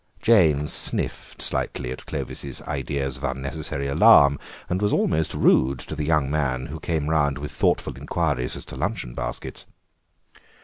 Jane sniffed slightly at Clovis' ideas of unnecessary alarm, and was almost rude to the young man who came round with thoughtful inquiries as to luncheon baskets.